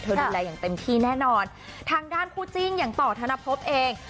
ดูแลอย่างเต็มที่แน่นอนทางด้านคู่จิ้นอย่างต่อธนภพเอง